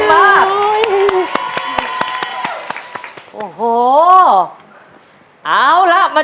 หนึ่งหมื่นหนึ่งหมื่น